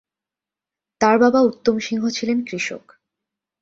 তাঁর বাবা উত্তম সিংহ ছিলেন কৃষক।